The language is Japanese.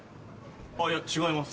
あいや違います。